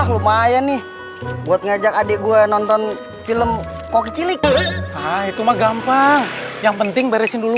lumayan nih buat ngajak adik gue nonton film kok kecilik itu mah gampang yang penting beresin dulu